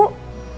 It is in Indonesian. aku mau pulang